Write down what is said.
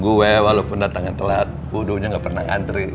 gue walaupun datangnya telat wudhunya gak pernah ngantri